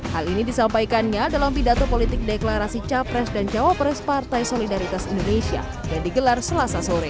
hal ini disampaikannya dalam pidato politik deklarasi capres dan cawapres partai solidaritas indonesia yang digelar selasa sore